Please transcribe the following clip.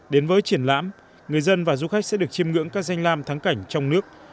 đến với triển lãm người dân và du khách sẽ được chiêm ngưỡng các danh lam thắng cảnh trong nước